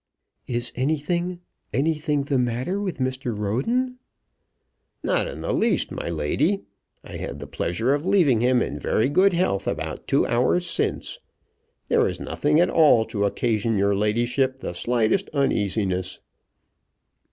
"Is anything, anything the matter with Mr. Roden?" "Not in the least, my lady. I had the pleasure of leaving him in very good health about two hours since. There is nothing at all to occasion your ladyship the slightest uneasiness."